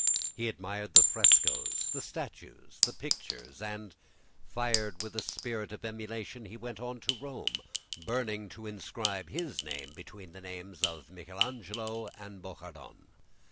He admired the statues, the frescoes, the pictures; and, fired with a spirit of emulation, he went on to Rome, burning to inscribe his name between the names of Michelangelo and Bouchardon.